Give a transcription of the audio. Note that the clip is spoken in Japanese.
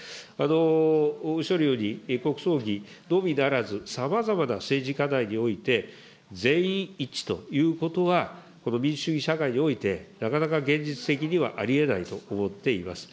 おっしゃるように、国葬儀のみならず、さまざまな政治課題において、全員一致ということは、この民主主義社会において、なかなか現実的にはありえないと思っています。